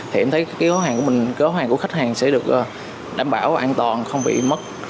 thì em thấy cái khóa hàng của mình cái khóa hàng của khách hàng sẽ được đảm bảo an toàn không bị mất